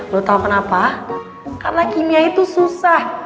lu tahu kenapa karena kimia itu susah